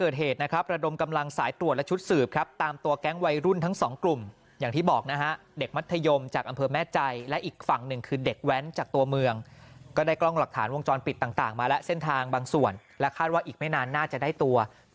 โดนลูกหลงนี่นะ